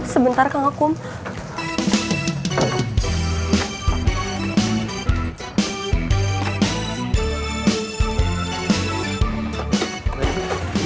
sebentar kak ngakum